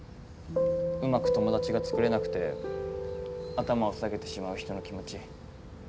うまく友達が作れなくて頭を下げてしまう人の気持ち。